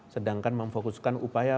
sedangkan memfokuskan upaya